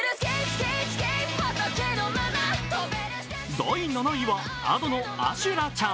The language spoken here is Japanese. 第７位はＡｄｏの「阿修羅ちゃん」。